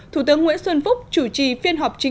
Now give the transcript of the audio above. thủ tướng nguyễn xuân phúc chủ trì phiên hòa